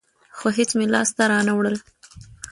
خو هېڅ مې لاس ته رانه وړل.